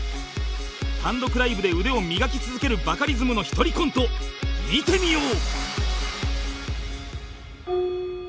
単独ライブで腕を磨き続けるバカリズムの１人コント見てみよう